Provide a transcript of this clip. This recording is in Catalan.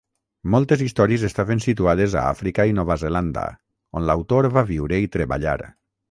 Moltes històries estaven situades a Àfrica i Nova Zelanda, on l'autor va viure i treballar.